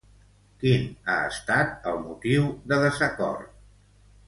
Quin ha estat el motiu de desacord?